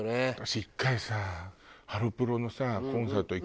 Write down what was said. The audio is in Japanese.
私１回さハロプロのさコンサート行くのにさ